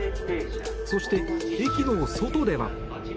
そして駅の外では。